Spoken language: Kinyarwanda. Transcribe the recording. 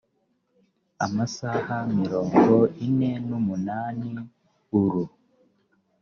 amasaha mirongo ine n umunani uru